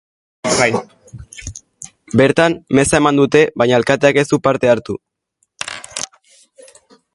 Bertan, meza eman dute, baina alkateak ez du parte hartu.